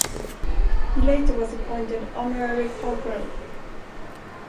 He later was appointed honorary corporal.